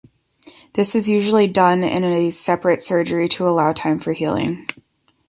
This is usually done in a separate surgery to allow time for healing.